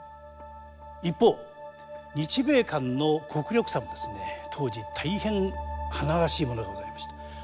一方日米間の国力差も当時大変甚だしいものでございました。